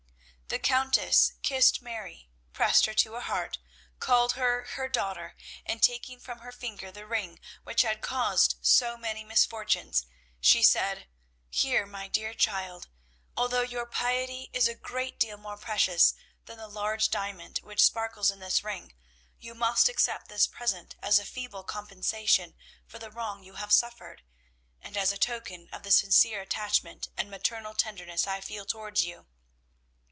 The Countess kissed Mary, pressed her to her heart, called her her daughter, and, taking from her finger the ring which had caused so many misfortunes, she said, "Here, my dear child, although your piety is a great deal more precious than the large diamond which sparkles in this ring, you must accept this present as a feeble compensation for the wrong you have suffered, and as a token of the sincere attachment and maternal tenderness I feel towards you."